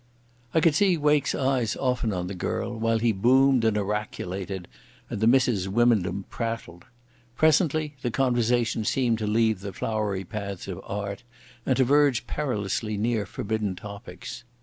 I could see Wake's eyes often on the girl, while he boomed and oraculated and the Misses Wymondham prattled. Presently the conversation seemed to leave the flowery paths of art and to verge perilously near forbidden topics.